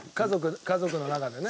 家族の中でね。